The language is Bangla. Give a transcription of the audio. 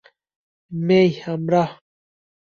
মেই, আমরা।